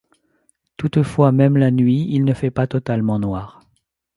Toutefois, même la nuit, il ne fait pas totalement noir.